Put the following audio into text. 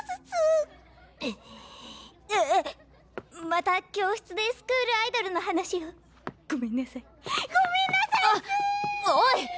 また教室でスクールアイドルの話をごめんなさいごめんなさいっす！